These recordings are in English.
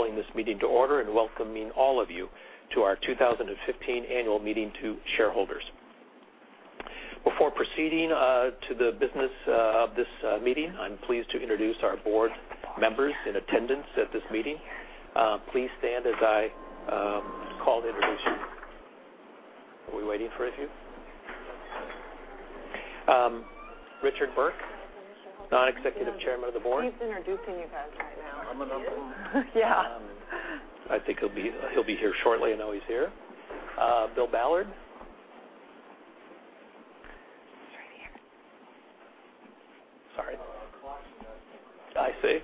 Of calling this meeting to order and welcoming all of you to our 2015 Annual Meeting of Shareholders. Before proceeding to the business of this meeting, I'm pleased to introduce our board members in attendance at this meeting. Please stand as I call the introductions. Are we waiting for a few? Richard Burke, Non-Executive Chairman of the Board. He's introducing you guys right now. I'm the number one. Yeah. I think he'll be here shortly. I know he's here. Bill Ballard. He's right here. Sorry. I see.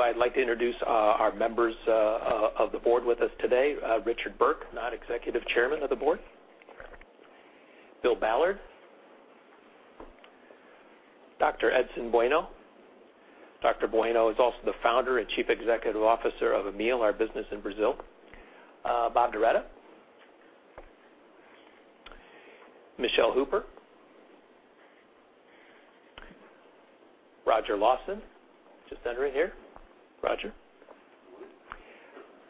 I'd like to introduce our members of the board with us today. Richard Burke, Non-Executive Chairman of the board. Bill Ballard. Dr. Edson Bueno. Dr. Bueno is also the Founder and Chief Executive Officer of Amil, our business in Brazil. Bob Darretta. Michele Hooper. Rodger Lawson, just entering here. Rodger.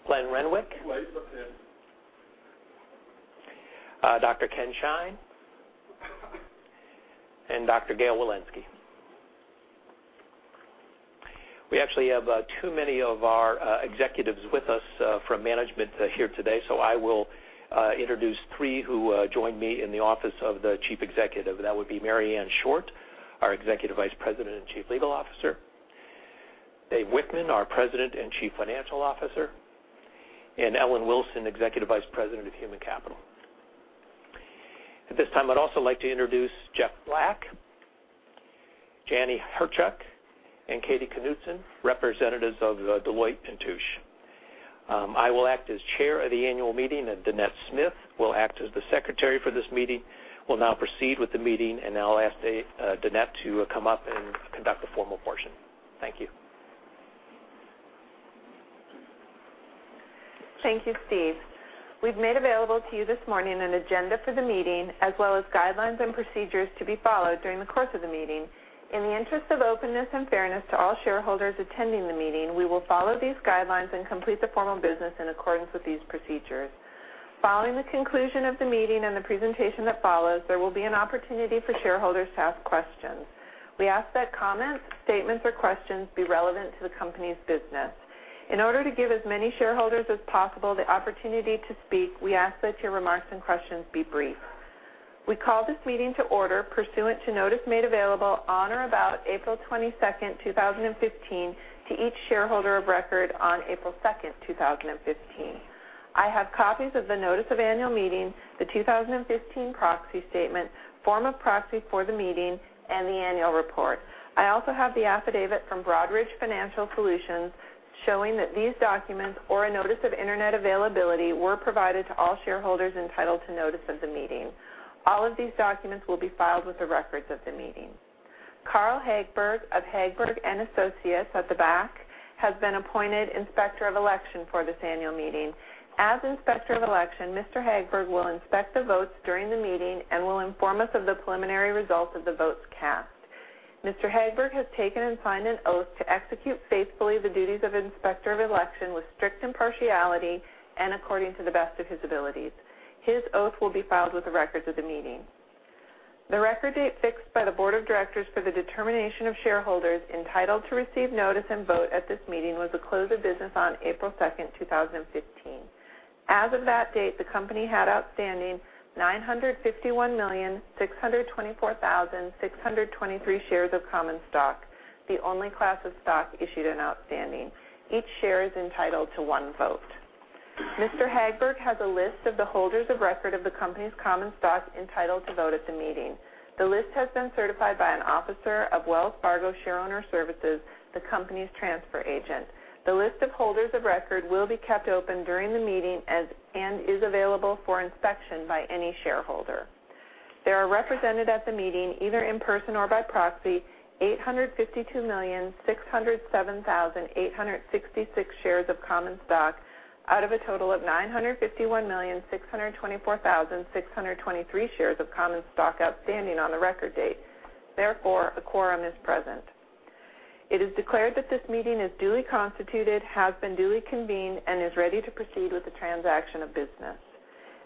Glenn Renwick. Wait up then. Dr. Kenneth I. Shine and Dr. Gail R. Wilensky. We actually have too many of our executives with us from management here today, so I will introduce three who join me in the Office of the Chief Executive. That would be Marianne D. Short, our Executive Vice President and Chief Legal Officer. David S. Wichmann, our President and Chief Financial Officer, and D. Ellen Wilson, Executive Vice President of Human Capital. At this time, I'd also like to introduce Jeff Black, Janie Herchuk, and Katie Knutson, representatives of Deloitte & Touche. I will act as Chair of the annual meeting, and Dannette L. Smith will act as the Secretary for this meeting. We'll now proceed with the meeting, and I'll ask Dannette to come up and conduct the formal portion. Thank you. Thank you, Steve. We've made available to you this morning an agenda for the meeting, as well as guidelines and procedures to be followed during the course of the meeting. In the interest of openness and fairness to all shareholders attending the meeting, we will follow these guidelines and complete the formal business in accordance with these procedures. Following the conclusion of the meeting and the presentation that follows, there will be an opportunity for shareholders to ask questions. We ask that comments, statements, or questions be relevant to the company's business. In order to give as many shareholders as possible the opportunity to speak, we ask that your remarks and questions be brief. We call this meeting to order pursuant to notice made available on or about 22 April 2015 to each shareholder of record on 2 April 2015. I have copies of the notice of annual meeting, the 2015 proxy statement, form of proxy for the meeting, and the annual report. I also have the affidavit from Broadridge Financial Solutions showing that these documents or a notice of internet availability were provided to all shareholders entitled to notice of the meeting. All of these documents will be filed with the records of the meeting. Carl Hagberg of Hagberg & Associates at the back has been appointed Inspector of Election for this annual meeting. As Inspector of Election, Mr. Hagberg will inspect the votes during the meeting and will inform us of the preliminary results of the votes cast. Mr. Hagberg has taken and signed an oath to execute faithfully the duties of Inspector of Election with strict impartiality and according to the best of his abilities. His oath will be filed with the records of the meeting. The record date fixed by the board of directors for the determination of shareholders entitled to receive notice and vote at this meeting was the close of business on 2 April 2015. As of that date, the company had outstanding 951,624,623 shares of common stock, the only class of stock issued and outstanding. Each share is entitled to one vote. Mr. Hagberg has a list of the holders of record of the company's common stock entitled to vote at the meeting. The list has been certified by an officer of Wells Fargo Shareowner Services, the company's transfer agent. The list of holders of record will be kept open during the meeting and is available for inspection by any shareholder. There are represented at the meeting, either in person or by proxy, 852,607,866 shares of common stock out of a total of 951,624,623 shares of common stock outstanding on the record date. Therefore, a quorum is present. It is declared that this meeting is duly constituted, has been duly convened, and is ready to proceed with the transaction of business.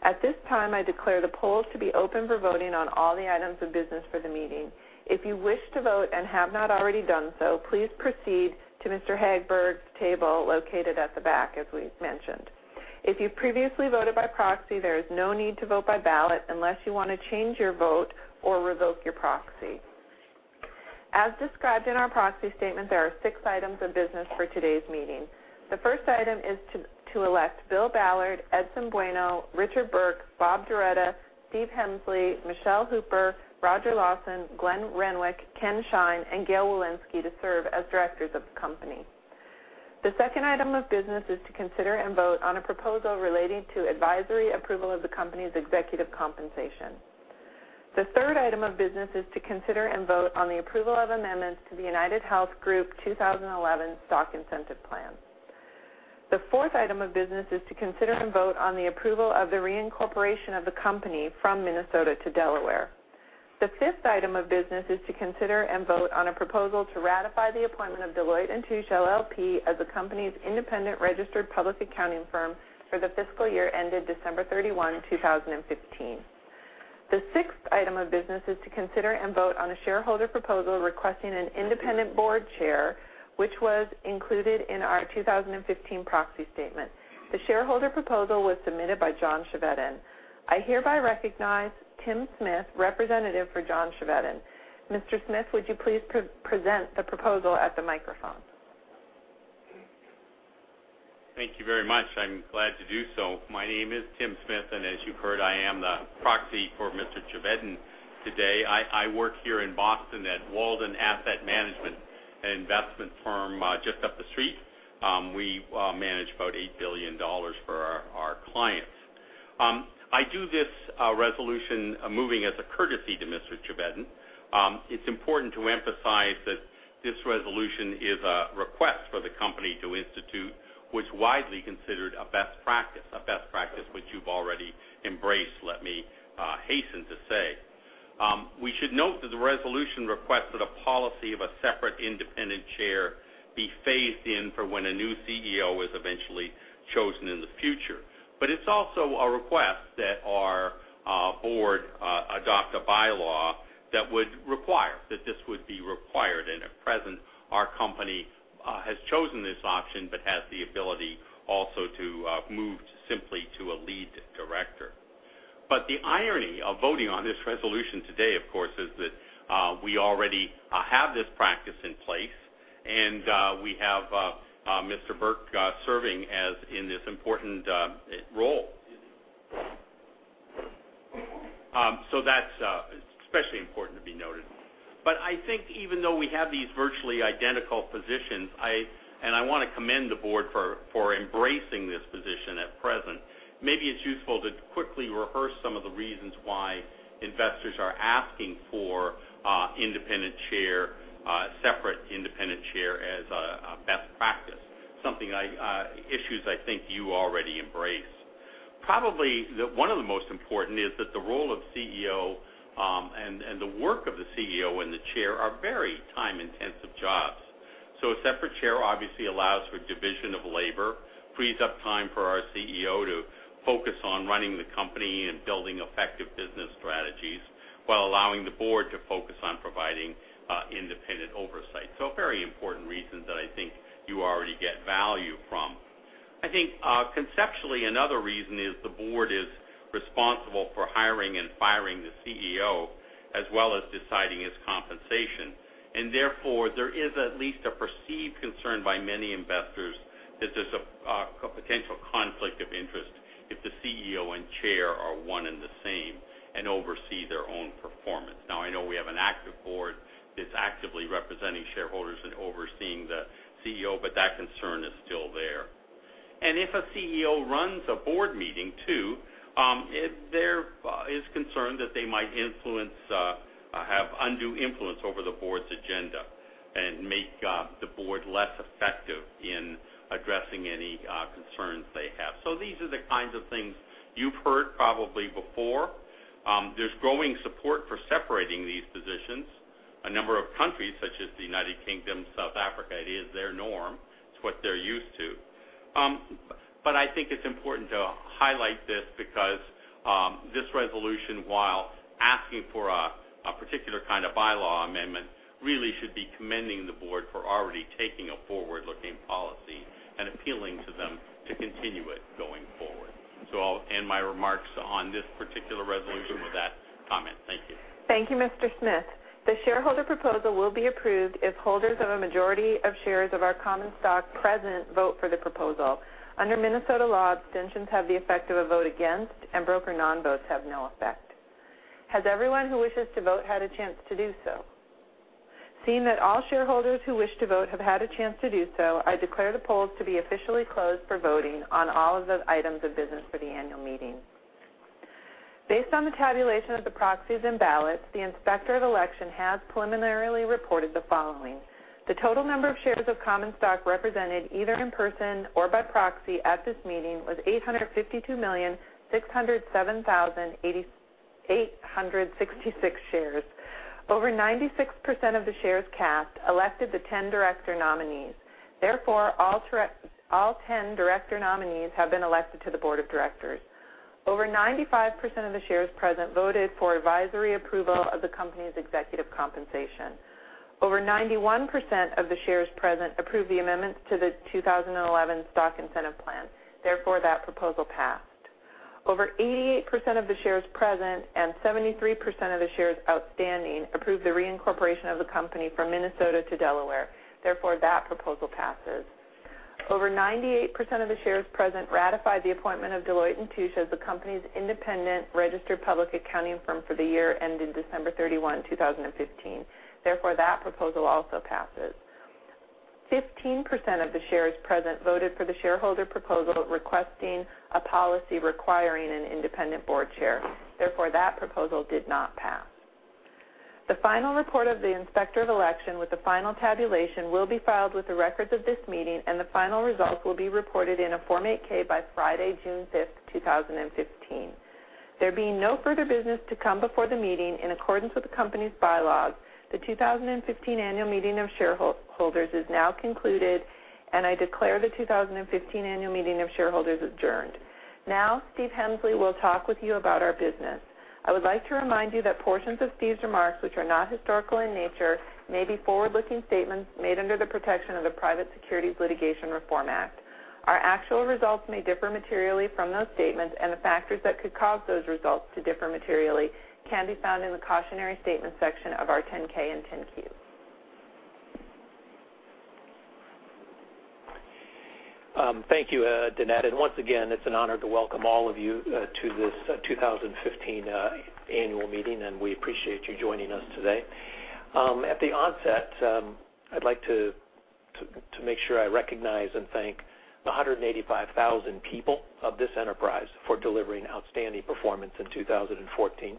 At this time, I declare the polls to be open for voting on all the items of business for the meeting. If you wish to vote and have not already done so, please proceed to Mr. Hagberg's table located at the back, as we mentioned. If you previously voted by proxy, there is no need to vote by ballot unless you want to change your vote or revoke your proxy. As described in our proxy statement, there are six items of business for today's meeting. The first item is to elect Bill Ballard, Edson Bueno, Richard Burke, Bob Darretta, Steve Hemsley, Michele Hooper, Rodger Lawson, Glenn Renwick, Ken Shine, and Gail Wilensky to serve as directors of the company. The second item of business is to consider and vote on a proposal relating to advisory approval of the company's executive compensation. The third item of business is to consider and vote on the approval of amendments to the UnitedHealth Group 2011 Stock Incentive Plan. The fourth item of business is to consider and vote on the approval of the reincorporation of the company from Minnesota to Delaware. The fifth item of business is to consider and vote on a proposal to ratify the appointment of Deloitte & Touche LLP as the company's independent registered public accounting firm for the fiscal year ended 31 December 2015. The sixth item of business is to consider and vote on a shareholder proposal requesting an independent board chair, which was included in our 2015 proxy statement. The shareholder proposal was submitted by John Chevedden. I hereby recognize Tim Smith, representative for John Chevedden. Mr. Smith, would you please pre-present the proposal at the microphone? Thank you very much. I'm glad to do so. My name is Tim Smith, and as you've heard, I am the proxy for Mr. Chevedden today. I work here in Boston at Walden Asset Management, an investment firm, just up the street. We manage about $8 billion for our clients. I do this resolution moving as a courtesy to Mr. Chevedden. It's important to emphasize that this resolution is a request for the company to institute, which widely considered a best practice, a best practice which you've already embraced, let me hasten to say. We should note that the resolution requests that a policy of a separate independent chair be phased in for when a new CEO is eventually chosen in the future. It's also a request that our board adopt a bylaw that would require, that this would be required. At present, our company has chosen this option but has the ability also to move simply to a lead director. The irony of voting on this resolution today, of course, is that we already have this practice in place, and we have Mr. Burke serving as in this important role. That's especially important to be noted. I think even though we have these virtually identical positions, I wanna commend the board for embracing this position at present. Maybe it's useful to quickly rehearse some of the reasons why investors are asking for independent chair, separate independent chair as a best practice, something I issues I think you already embrace. Probably one of the most important is that the role of CEO, and the work of the CEO and the chair are very time-intensive jobs. A separate chair obviously allows for division of labor, frees up time for our CEO to focus on running the company and building effective business strategies while allowing the board to focus on providing independent oversight. Very important reasons that I think you already get value from. I think, conceptually, another reason is the board is responsible for hiring and firing the CEO, as well as deciding his compensation. Therefore, there is at least a perceived concern by many investors that there is a potential conflict of interest if the CEO and chair are one and the same and oversee their own performance. I know we have an active board that's actively representing shareholders and overseeing the CEO, but that concern is still there. If a CEO runs a board meeting too, there is concern that they might influence, have undue influence over the board's agenda and make the board less effective in addressing any concerns they have. These are the kinds of things you've heard probably before. There's growing support for separating these positions. A number of countries, such as the U.K., South Africa, it is their norm. It's what they're used to. I think it's important to highlight this because, this resolution, while asking for a particular kind of bylaw amendment, really should be commending the board for already taking a forward-looking policy and appealing to them to continue it going forward. I'll end my remarks on this particular resolution with that comment. Thank you. Thank you, Mr. Smith. The shareholder proposal will be approved if holders of a majority of shares of our common stock present vote for the proposal. Under Minnesota law, abstentions have the effect of a vote against, and broker non-votes have no effect. Has everyone who wishes to vote had a chance to do so? Seeing that all shareholders who wish to vote have had a chance to do so, I declare the polls to be officially closed for voting on all of the items of business for the annual meeting. Based on the tabulation of the proxies and ballots, the Inspector of Election has preliminarily reported the following. The total number of shares of common stock represented either in person or by proxy at this meeting was 852,607,866 shares. Over 96% of the shares cast elected the 10 director nominees. Therefore, all 10 director nominees have been elected to the board of directors. Over 95% of the shares present voted for advisory approval of the company's executive compensation. Over 91% of the shares present approved the amendments to the 2011 Stock Incentive Plan. Therefore, that proposal passed. Over 88% of the shares present and 73% of the shares outstanding approved the reincorporation of the company from Minnesota to Delaware. Therefore, that proposal passes. Over 98% of the shares present ratified the appointment of Deloitte & Touche as the company's independent registered public accounting firm for the year ended 31 December 2015. Therefore, that proposal also passes. 15% of the shares present voted for the shareholder proposal requesting a policy requiring an independent board chair. Therefore, that proposal did not pass. The final report of the Inspector of Election with the final tabulation will be filed with the records of this meeting, and the final results will be reported in a Form 8-K by Friday, 5th June 2015. There being no further business to come before the meeting in accordance with the company's bylaws, the 2015 annual meeting of shareholders is now concluded, and I declare the 2015 annual meeting of shareholders adjourned. Now, Steve Hemsley will talk with you about our business. I would like to remind you that portions of Steve's remarks, which are not historical in nature, may be forward-looking statements made under the protection of the Private Securities Litigation Reform Act. Our actual results may differ materially from those statements, and the factors that could cause those results to differ materially can be found in the Cautionary Statement section of our 10-K and 10-Q. Thank you, Dannette. Once again, it's an honor to welcome all of you to this 2015 annual meeting, and we appreciate you joining us today. At the onset, I'd like to make sure I recognize and thank the 185,000 people of this enterprise for delivering outstanding performance in 2014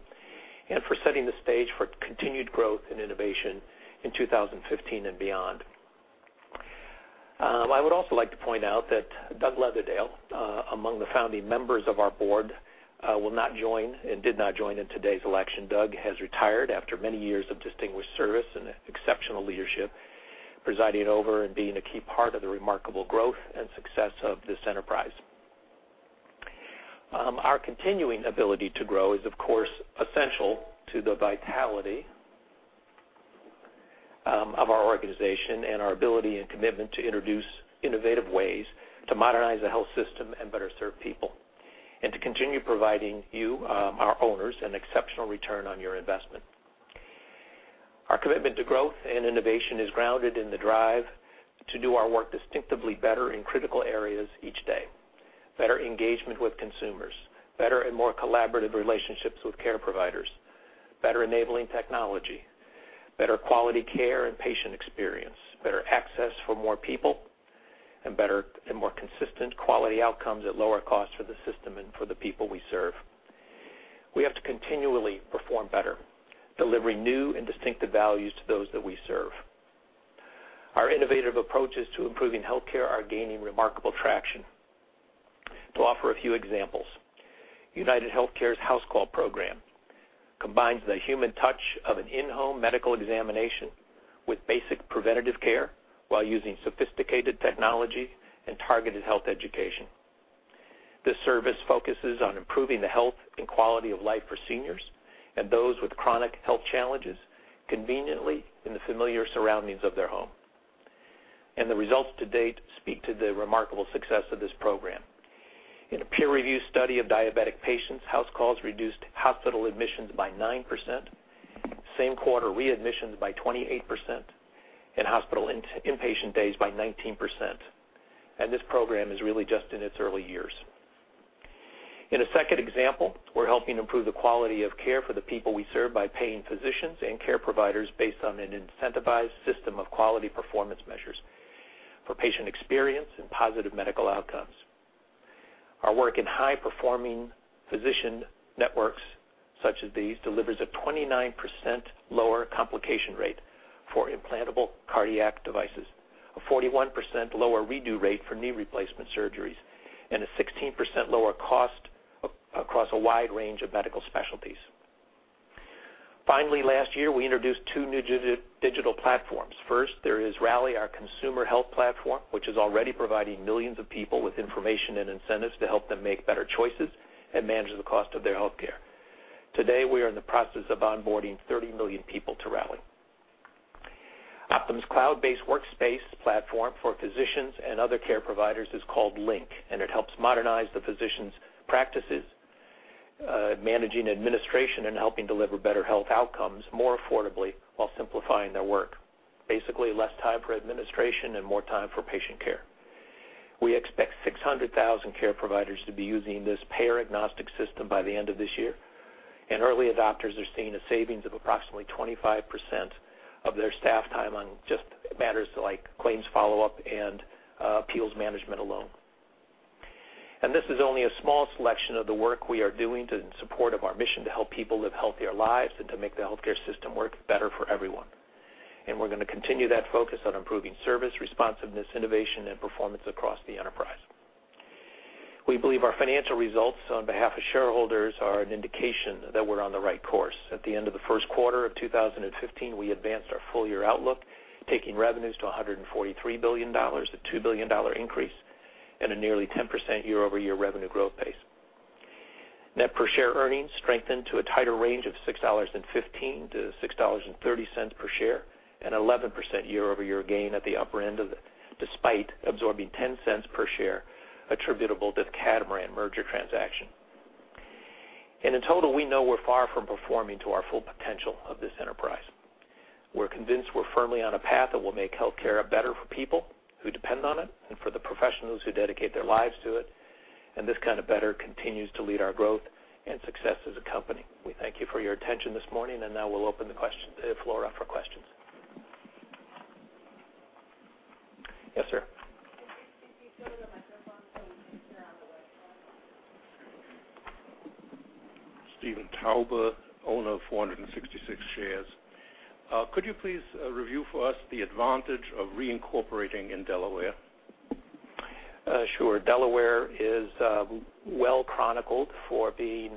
and for setting the stage for continued growth and innovation in 2015 and beyond. I would also like to point out that Douglas W. Leatherdale, among the founding members of our board, will not join and did not join in today's election. Douglas has retired after many years of distinguished service and exceptional leadership, presiding over and being a key part of the remarkable growth and success of this enterprise. Our continuing ability to grow is, of course, essential to the vitality of our organization and our ability and commitment to introduce innovative ways to modernize the health system and better serve people, and to continue providing you, our owners, an exceptional return on your investment. Our commitment to growth and innovation is grounded in the drive to do our work distinctively better in critical areas each day. Better engagement with consumers, better and more collaborative relationships with care providers, better enabling technology, better quality care and patient experience, better access for more people, and better and more consistent quality outcomes at lower costs for the system and for the people we serve. We have to continually perform better, delivering new and distinctive values to those that we serve. Our innovative approaches to improving healthcare are gaining remarkable traction. To offer a few examples, UnitedHealthcare's HouseCalls program combines the human touch of an in-home medical examination with basic preventative care while using sophisticated technology and targeted health education. This service focuses on improving the health and quality of life for seniors and those with chronic health challenges conveniently in the familiar surroundings of their home. The results to date speak to the remarkable success of this program. In a peer review study of diabetic patients, HouseCalls reduced hospital admissions by 9%, same quarter readmissions by 28%, and hospital inpatient days by 19%. This program is really just in its early years. In a second example, we're helping improve the quality of care for the people we serve by paying physicians and care providers based on an incentivized system of quality performance measures for patient experience and positive medical outcomes. Our work in high-performing physician networks such as these delivers a 29% lower complication rate for implantable cardiac devices, a 41% lower redo rate for knee replacement surgeries, and a 16% lower cost across a wide range of medical specialties. Finally, last year, we introduced two new digital platforms. First, there is Rally, our consumer health platform, which is already providing millions of people with information and incentives to help them make better choices and manage the cost of their healthcare. Today, we are in the process of onboarding 30 million people to Rally. Optum's cloud-based workspace platform for physicians and other care providers is called Link, and it helps modernize the physicians' practices, managing administration and helping deliver better health outcomes more affordably while simplifying their work. Basically, less time for administration and more time for patient care. We expect 600,000 care providers to be using this payer-agnostic system by the end of this year, early adopters are seeing a savings of approximately 25% of their staff time on just matters like claims follow-up and appeals management alone. This is only a small selection of the work we are doing to support of our mission to help people live healthier lives and to make the healthcare system work better for everyone. We're gonna continue that focus on improving service, responsiveness, innovation, and performance across the enterprise. We believe our financial results on behalf of shareholders are an indication that we're on the right course. At the end of the first quarter of 2015, we advanced our full year outlook, taking revenues to $143 billion, a $2 billion increase and a nearly 10% year-over-year revenue growth pace. Net per share earnings strengthened to a tighter range of $6.15 to $6.30 per share, an 11% year-over-year gain at the upper end despite absorbing $0.10 per share attributable to the Catamaran merger transaction. In total, we know we're far from performing to our full potential of this enterprise. We're convinced we're firmly on a path that will make healthcare better for people who depend on it and for the professionals who dedicate their lives to it. This kind of better continues to lead our growth and success as a company. We thank you for your attention this morning, and now we'll open the floor up for questions. Yes, sir. Could you please speak into the microphone so we can hear on the web call? Steven Tauber, owner of 466 shares. Could you please review for us the advantage of reincorporating in Delaware? Sure. Delaware is well chronicled for being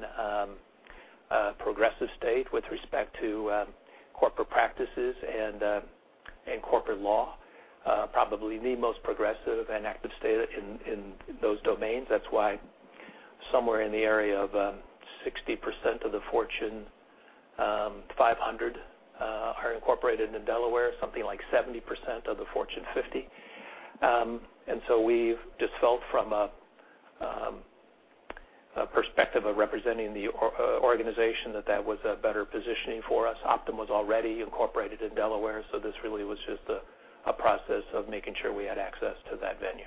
a progressive state with respect to corporate practices and corporate law, probably the most progressive and active state in those domains. That's why somewhere in the area of 60% of the Fortune 500 are incorporated in Delaware, something like 70% of the Fortune 50. We've just felt from a perspective of representing the organization that that was a better positioning for us. Optum was already incorporated in Delaware, this really was just a process of making sure we had access to that venue.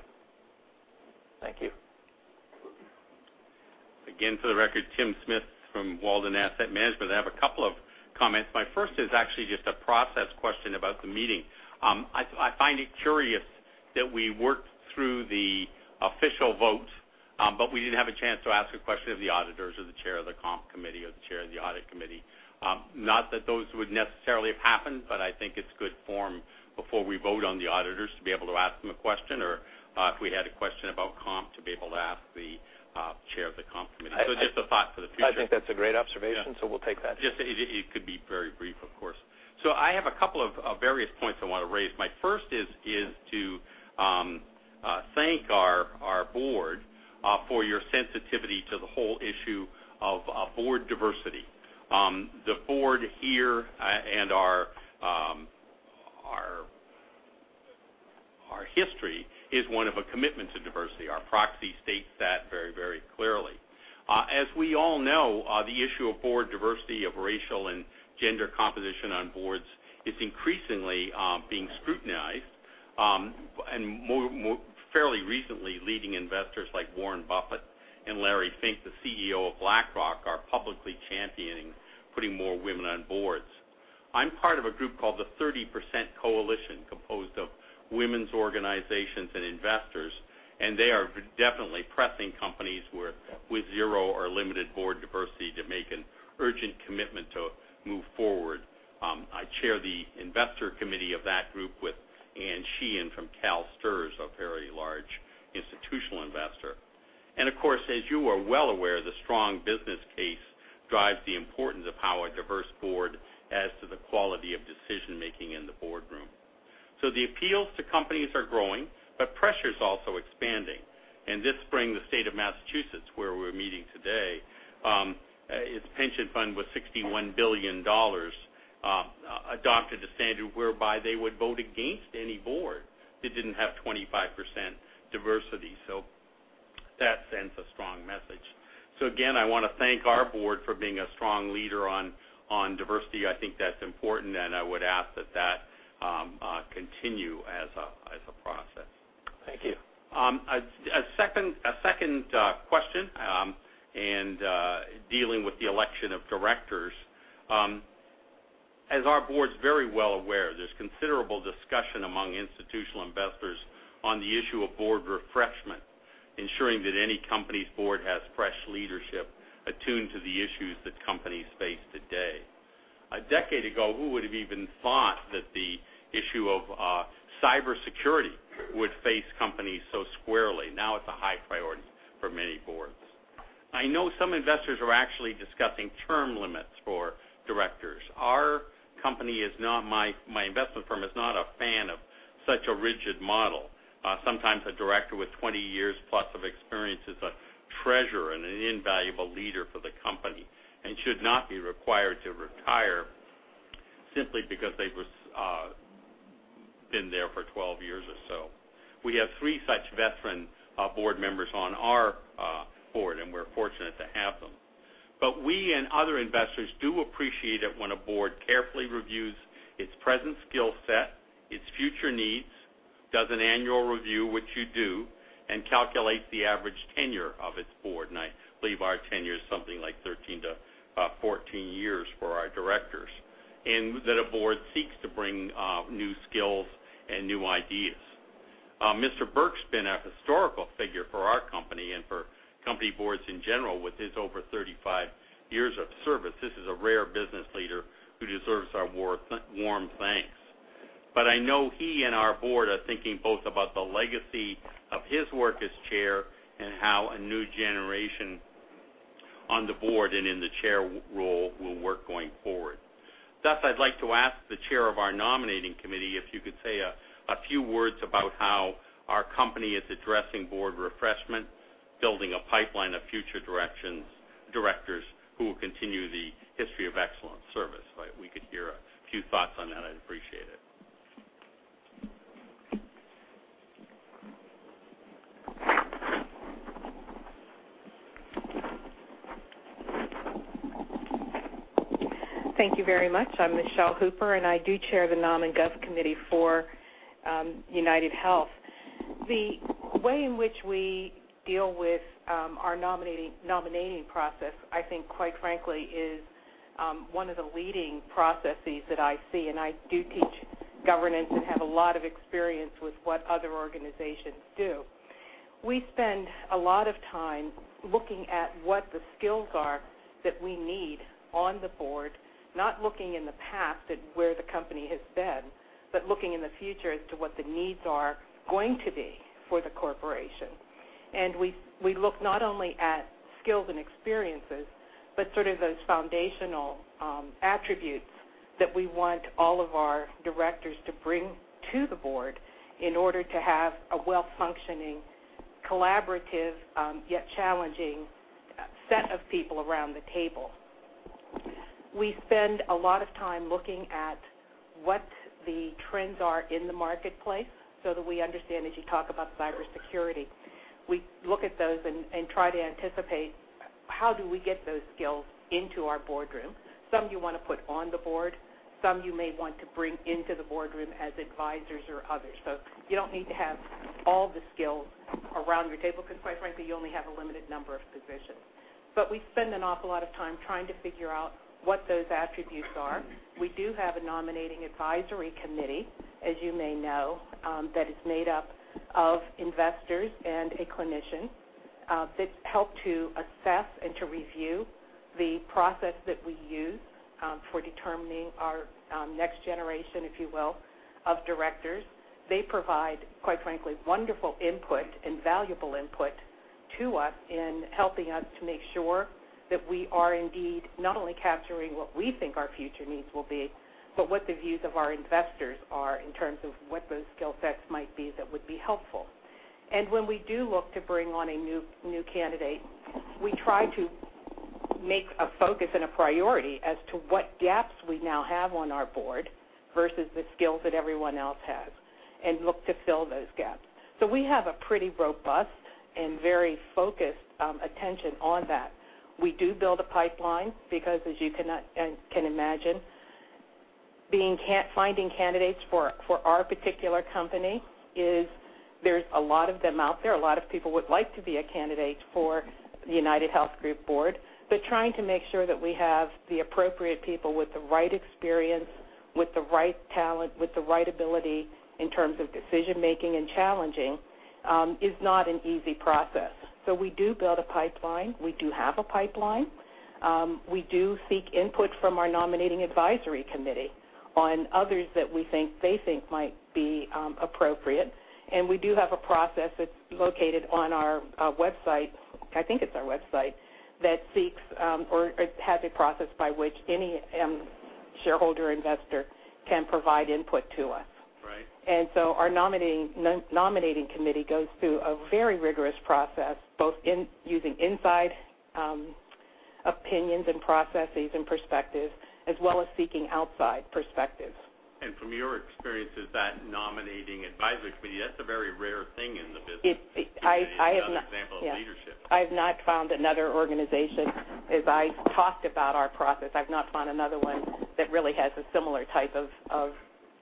Thank you. You're welcome. Again, for the record, Tim Smith from Walden Asset Management. I have a couple of comments. My first is actually just a process question about the meeting. I find it curious that we worked through the official vote, but we didn't have a chance to ask a question of the auditors or the chair of the comp committee or the chair of the audit committee. Not that those would necessarily have happened, I think it's good form before we vote on the auditors to be able to ask them a question or, if we had a question about comp, to be able to ask the chair of the comp committee. Just a thought for the future. I think that's a great observation. Yeah. We'll take that. Just it could be very brief, of course. I have a couple of various points I wanna raise. My first is to thank our board for your sensitivity to the whole issue of board diversity. The board here and our history is one of a commitment to diversity. Our proxy states that very clearly. As we all know, the issue of board diversity of racial and gender composition on boards is increasingly being scrutinized, and fairly recently, leading investors like Warren Buffett and Larry Fink, the CEO of BlackRock, are publicly championing putting more women on boards. I'm part of a group called the Thirty Percent Coalition, composed of women's organizations and investors. They are definitely pressing companies where with zero or limited board diversity to make an urgent commitment to move forward. I chair the investor committee of that group with Anne Sheehan from CalSTRS, a very large institutional investor. Of course, as you are well aware, the strong business case drives the importance of how a diverse board adds to the quality of decision-making in the boardroom. The appeals to companies are growing, but pressure's also expanding. This spring, the state of Massachusetts, where we're meeting today, its pension fund was $61 billion, adopted the standard whereby they would vote against any board that didn't have 25% diversity. That sends a strong message. Again, I wanna thank our board for being a strong leader on diversity. I think that's important, and I would ask that continue as a process. Thank you. A second question, dealing with the election of directors. As our board's very well aware, there's considerable discussion among institutional investors on the issue of board refreshment, ensuring that any company's board has fresh leadership attuned to the issues that companies face today. A decade ago, who would have even thought that the issue of cybersecurity would face companies so squarely? Now it's a high priority for many boards. I know some investors are actually discussing term limits for directors. Our company is not my investment firm is not a fan of such a rigid model. Sometimes a director with 20 years plus of experience is a treasure and an invaluable leader for the company and should not be required to retire simply because they was been there for 12 years or so. We have three such veteran board members on our board, and we're fortunate to have them. We and other investors do appreciate it when a board carefully reviews its present skill set, its future needs, does an annual review, which you do, and calculates the average tenure of its board, and I believe our tenure is something like 13-14 years for our directors, and that a board seeks to bring new skills and new ideas. Mr. Burke's been a historical figure for our company and for company boards in general with his over 35 years of service. This is a rare business leader who deserves our warm thanks. I know he and our board are thinking both about the legacy of his work as chair and how a new generation on the board and in the chair role will work going forward. I'd like to ask the Chair of our Nominating Committee if you could say a few words about how our company is addressing board refreshment, building a pipeline of future directors who will continue the history of excellent service. If we could hear a few thoughts on that, I'd appreciate it. Thank you very much. I'm Michele J. Hooper, I do chair the Nom and Gov Committee for UnitedHealth. The way in which we deal with our nominating process, I think, quite frankly, is one of the leading processes that I see. I do teach governance and have a lot of experience with what other organizations do. We spend a lot of time looking at what the skills are that we need on the board, not looking in the past at where the company has been, but looking in the future as to what the needs are going to be for the corporation. We look not only at skills and experiences, but sort of those foundational attributes that we want all of our directors to bring to the board in order to have a well-functioning, collaborative, yet challenging set of people around the table. We spend a lot of time looking at what the trends are in the marketplace so that we understand as you talk about cybersecurity. We look at those and try to anticipate, how do we get those skills into our boardroom? Some you want to put on the board, some you may want to bring into the boardroom as advisors or others. You don't need to have all the skills around your table because quite frankly, you only have a limited number of positions. We spend an awful lot of time trying to figure out what those attributes are. We do have a Nominating Advisory Committee, as you may know, that is made up of investors and a clinician that help to assess and to review the process that we use for determining our next generation, if you will, of directors. They provide, quite frankly, wonderful input and valuable input to us in helping us to make sure that we are indeed not only capturing what we think our future needs will be, but what the views of our investors are in terms of what those skill sets might be that would be helpful. When we do look to bring on a new candidate, we try to make a focus and a priority as to what gaps we now have on our board versus the skills that everyone else has and look to fill those gaps. We have a pretty robust and very focused attention on that. We do build a pipeline because as you can imagine, finding candidates for our particular company is there's a lot of them out there. A lot of people would like to be a candidate for UnitedHealth Group board. Trying to make sure that we have the appropriate people with the right experience, with the right talent, with the right ability in terms of decision-making and challenging is not an easy process. We do build a pipeline. We do have a pipeline. We do seek input from our Nominating Advisory Committee on others that we think they think might be appropriate. We do have a process that's located on our website, I think it's our website, that seeks, or has a process by which any shareholder investor can provide input to us. Right. Our Nominating Committee goes through a very rigorous process, both in using inside opinions and processes and perspectives, as well as seeking outside perspectives. From your experience, is that Nominating Advisory Committee, that's a very rare thing in the business? I have not. It's another example of leadership. Yeah. I've not found another organization. As I talked about our process, I've not found another one that really has a similar type of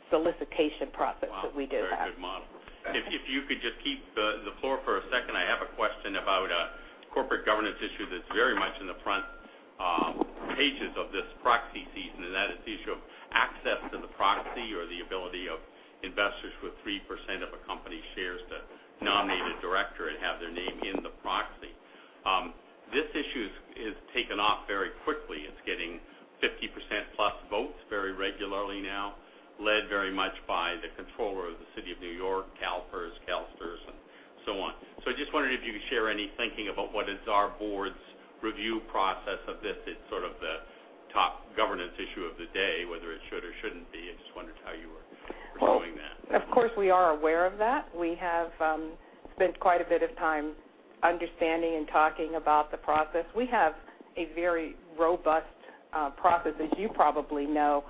solicitation process that we do have. Wow. Very good model. If you could just keep the floor for a second, I have a question about a corporate governance issue that's very much in the front pages of this proxy season, and that is the issue of access to the proxy or the ability of investors with 3% of a company's shares to nominate a director and have their name in the proxy. This issue has taken off very quickly. It's getting 50%+ votes very regularly now, led very much by the Comptroller of the City of New York, CalPERS, CalSTRS, and so on. I just wondered if you could share any thinking about what is our board's review process of this. It's sort of the top governance issue of the day, whether it should or shouldn't be. I just wondered how you were doing that. Of course, we are aware of that. We have spent quite a bit of time understanding and talking about the process. We have a very robust process, as you probably know,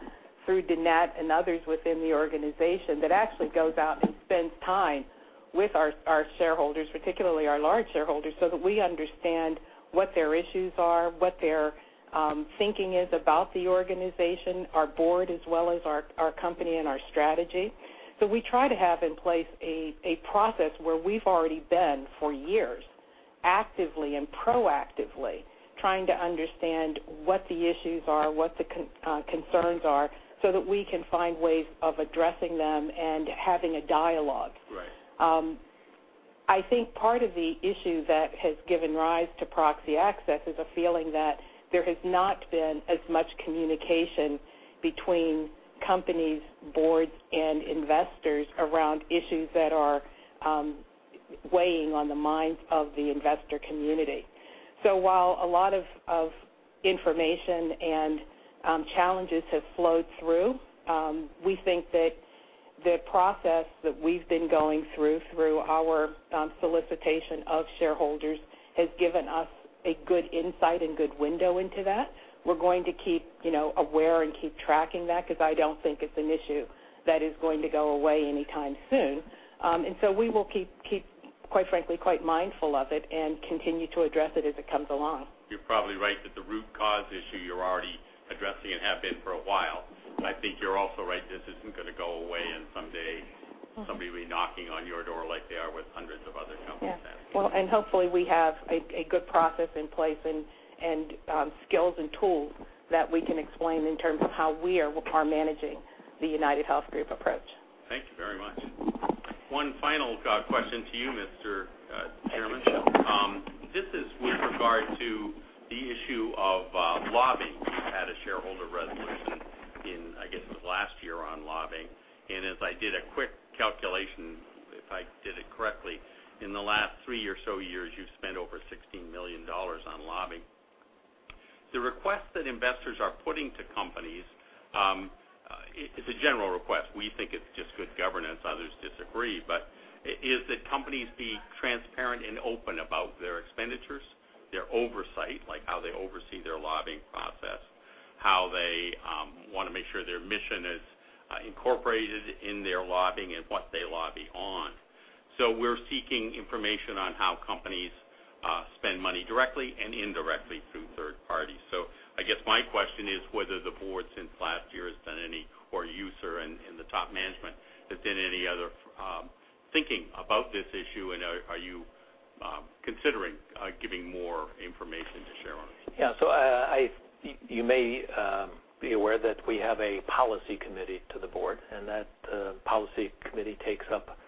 through Dannette Smith and others within the organization that actually goes out and spends time with our shareholders, particularly our large shareholders, so that we understand what their issues are, what their thinking is about the organization, our board, as well as our company and our strategy. We try to have in place a process where we've already been for years, actively and proactively trying to understand what the issues are, what the concerns are, so that we can find ways of addressing them and having a dialogue. Right. I think part of the issue that has given rise to proxy access is a feeling that there has not been as much communication between companies, boards, and investors around issues that are weighing on the minds of the investor community. While a lot of information and challenges have flowed through, we think that the process that we've been going through our solicitation of shareholders, has given us a good insight and good window into that. We're going to keep, you know, aware and keep tracking that because I don't think it's an issue that is going to go away anytime soon. We will keep quite frankly, quite mindful of it and continue to address it as it comes along. You're probably right that the root cause issue you're already addressing and have been for a while. I think you're also right, this isn't gonna go away, and someday somebody will be knocking on your door like they are with hundreds of other companies asking. Yeah. Well, hopefully we have a good process in place and skills and tools that we can explain in terms of how we are managing the UnitedHealth Group approach. Thank you very much. One final question to you, Mr. Chairman. Sure. This is with regard to the issue of lobbying. We've had a shareholder resolution in, I guess, it was last year on lobbying. As I did a quick calculation, if I did it correctly, in the last three or so years, you've spent over $16 million on lobbying. The request that investors are putting to companies, it's a general request. We think it's just good governance. Others disagree. Is that companies be transparent and open about their expenditures, their oversight, like how they oversee their lobbying process How they wanna make sure their mission is incorporated in their lobbying and what they lobby on. We're seeking information on how companies spend money directly and indirectly through third parties. I guess my question is whether the board since last year has done any, or you, sir, in the top management, has done any other, thinking about this issue, and are you, considering, giving more information to shareholders? You may be aware that we have a policy committee to the board, and that policy committee takes up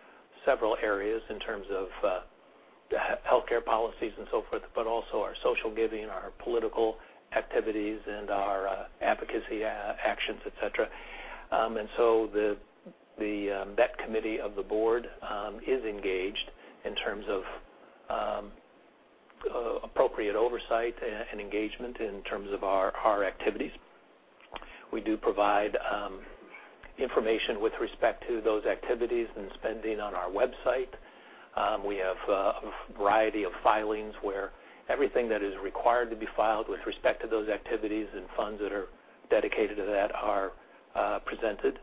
several areas in terms of healthcare policies and so forth, but also our social giving, our political activities, and our advocacy actions, et cetera. That committee of the board is engaged in terms of appropriate oversight and engagement in terms of our activities. We do provide information with respect to those activities and spending on our website. We have a variety of filings where everything that is required to be filed with respect to those activities and funds that are dedicated to that are presented.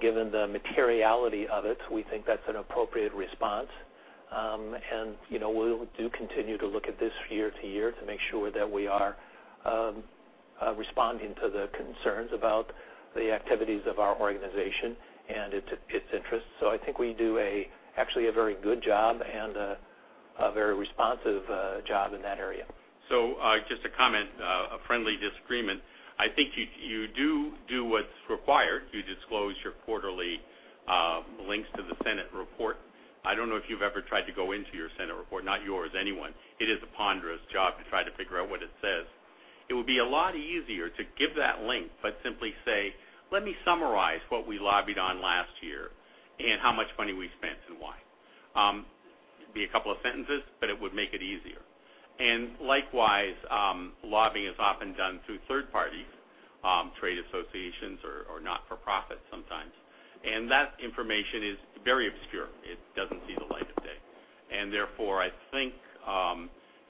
Given the materiality of it, we think that's an appropriate response. You know, we do continue to look at this year to year to make sure that we are responding to the concerns about the activities of our organization and its interests. I think we do actually a very good job and a very responsive job in that area. Just a comment, a friendly disagreement. I think you do do what's required. You disclose your quarterly links to the Senate report. I don't know if you've ever tried to go into your Senate report, not yours, anyone. It is a ponderous job to try to figure out what it says. It would be a lot easier to give that link, but simply say, "Let me summarize what we lobbied on last year and how much money we spent and why." It'd be a couple of sentences, but it would make it easier. Likewise, lobbying is often done through third parties, trade associations or not-for-profit sometimes, and that information is very obscure. It doesn't see the light of day. Therefore, I think,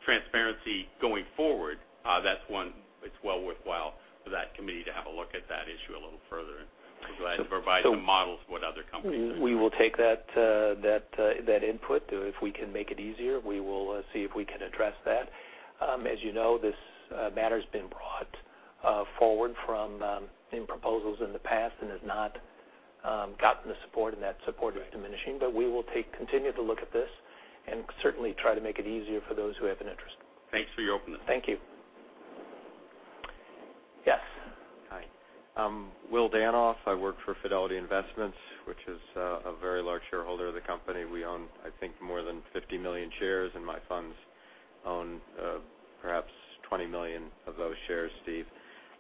transparency going forward, that's one that's well worthwhile for that committee to have a look at that issue a little further and provide some models of what other companies are doing. We will take that, that input. If we can make it easier, we will see if we can address that. As you know, this matter's been brought forward from in proposals in the past and has not gotten the support, and that support is diminishing. We will continue to look at this and certainly try to make it easier for those who have an interest. Thanks for your openness. Thank you. Yes. Hi. I'm Will Danoff. I work for Fidelity Investments, which is a very large shareholder of the company. We own, I think, more than 50 million shares, and my funds own, perhaps 20 million of those shares, Stephen.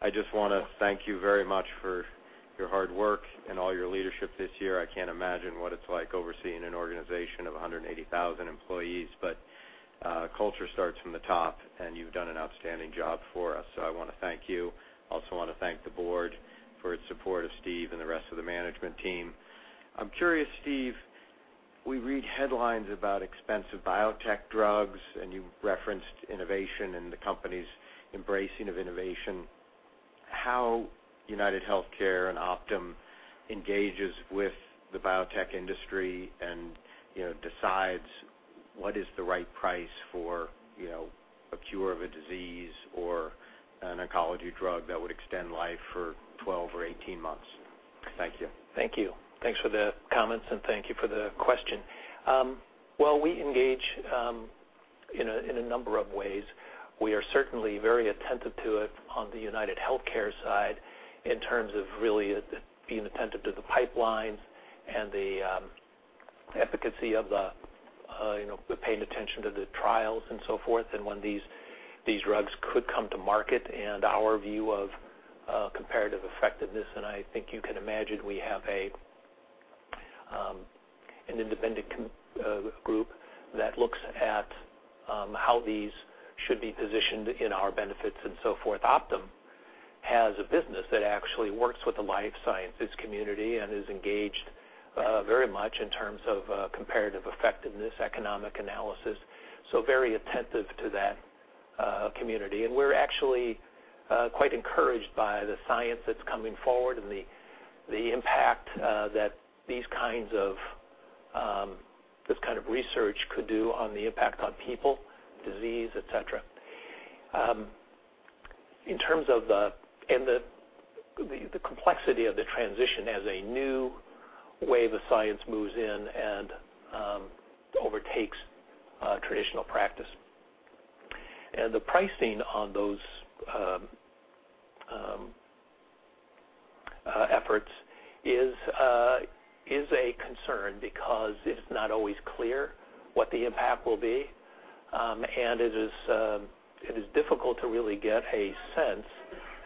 I just wanna thank you very much for your hard work and all your leadership this year. I can't imagine what it's like overseeing an organization of 180,000 employees. Culture starts from the top, and you've done an outstanding job for us, so I wanna thank you. Also wanna thank the board for its support of Stephen and the rest of the management team. I'm curious, Stephen, we read headlines about expensive biotech drugs, and you referenced innovation and the company's embracing of innovation. How UnitedHealthcare and Optum engages with the biotech industry and, you know, decides what is the right price for, you know, a cure of a disease or an oncology drug that would extend life for 12 or 18 months? Thank you. Thank you. Thanks for the comments, thank you for the question. Well, we engage in a number of ways. We are certainly very attentive to it on the UnitedHealthcare side in terms of really being attentive to the pipelines and the efficacy of the, you know, paying attention to the trials and so forth, when these drugs could come to market and our view of comparative effectiveness. I think you can imagine we have an independent group that looks at how these should be positioned in our benefits and so forth. Optum has a business that actually works with the life sciences community and is engaged very much in terms of comparative effectiveness, economic analysis, so very attentive to that community. We're actually quite encouraged by the science that's coming forward and the impact that these kinds of this kind of research could do on the impact on people, disease, et cetera. In terms of the complexity of the transition as a new way the science moves in and overtakes traditional practice. The pricing on those efforts is a concern because it's not always clear what the impact will be. It is difficult to really get a sense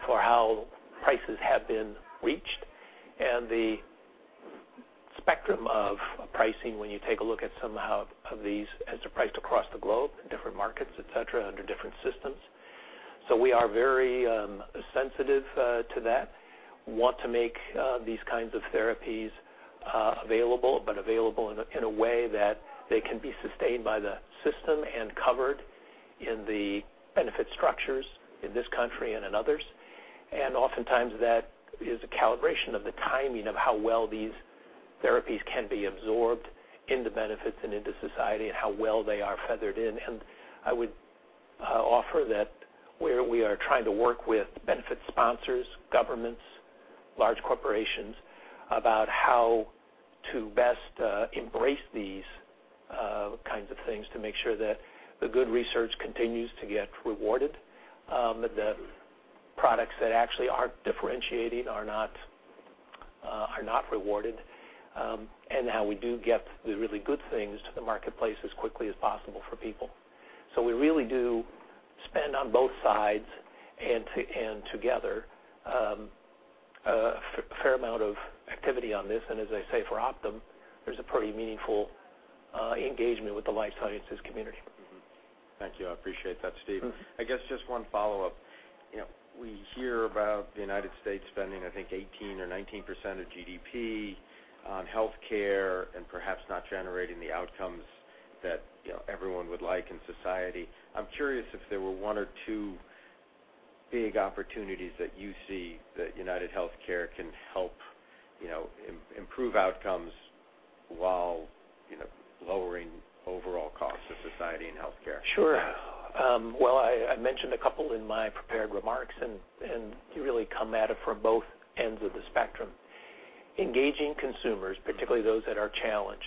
for how prices have been reached, and the spectrum of pricing when you take a look at some of these as they're priced across the globe in different markets, et cetera, under different systems. We are very sensitive to that. Want to make these kinds of therapies available, but available in a way that they can be sustained by the system and covered in the benefit structures in this country and in others. Oftentimes that is a calibration of the timing of how well these therapies can be absorbed into benefits and into society, and how well they are feathered in. I would offer that where we are trying to work with benefit sponsors, governments, large corporations, about how to best embrace these kinds of things to make sure that the good research continues to get rewarded. The products that actually aren't differentiating are not rewarded, and how we do get the really good things to the marketplace as quickly as possible for people. We really do spend on both sides, a fair amount of activity on this. As I say, for Optum, there's a pretty meaningful engagement with the life sciences community. Thank you. I appreciate that, Steve. I guess just one follow-up. You know, we hear about the U.S. spending, I think 18% or 19% of GDP on healthcare, and perhaps not generating the outcomes that, you know, everyone would like in society. I'm curious if there were one or two big opportunities that you see that UnitedHealthcare can help, you know, improve outcomes while, you know, lowering overall costs of society and healthcare? Sure. well, I mentioned a couple in my prepared remarks, you really come at it from both ends of the spectrum. Engaging consumers, particularly those that are challenged,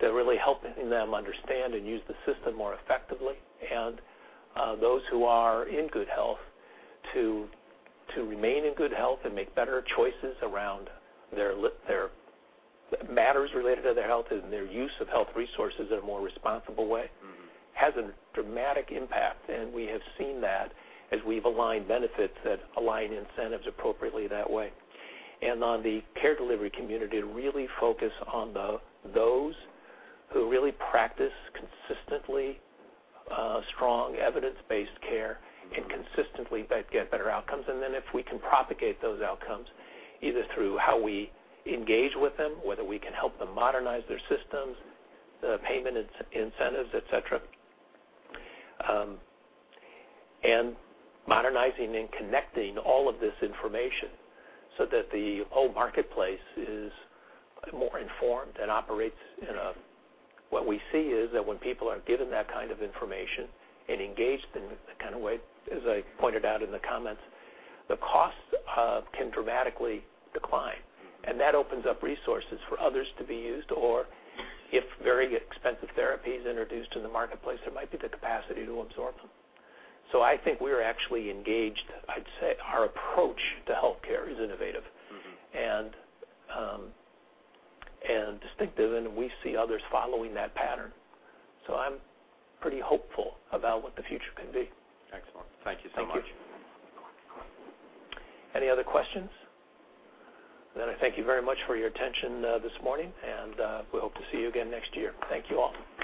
to really helping them understand and use the system more effectively. those who are in good health to remain in good health and make better choices around their matters related to their health and their use of health resources in a more responsible way has a dramatic impact, and we have seen that as we've aligned benefits that align incentives appropriately that way. On the care delivery community, to really focus on those who really practice consistently, strong evidence-based care, and consistently they'd get better outcomes. Then if we can propagate those outcomes, either through how we engage with them, whether we can help them modernize their systems, payment incentives, et cetera. Modernizing and connecting all of this information so that the whole marketplace is more informed and operates. What we see is that when people are given that kind of information and engaged in a kind of way, as I pointed out in the comments, the costs can dramatically decline. That opens up resources for others to be used or if very expensive therapy is introduced in the marketplace, there might be the capacity to absorb them. I think we're actually engaged. I'd say our approach to healthcare is innovative. Distinctive, we see others following that pattern. I'm pretty hopeful about what the future can be. Excellent. Thank you so much. Thank you. Any other questions? I thank you very much for your attention this morning, and we hope to see you again next year. Thank you all.